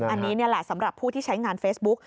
อันนี้นี่แหละสำหรับผู้ที่ใช้งานเฟซบุ๊ก